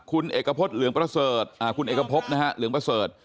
คุณเอกพรหลวงประเสริฐคุณเอกพรหลวงประเสริฐ